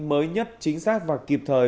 mới nhất chính xác và kịp thời